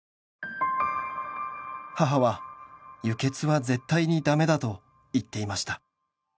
「母は輸血は絶対にダメだと言っていました」